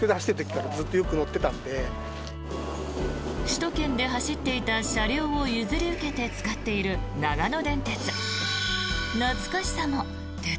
首都圏で走っていた車両を譲り受けて使っている長野電鉄。